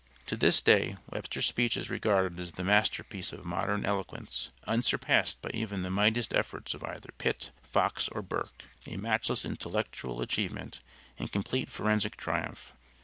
To this day Webster's speech is regarded as the master piece of modern eloquence unsurpassed by even the mightiest efforts of either Pitt, Fox or Burke a matchless intellectual achievement and complete forensic triumph.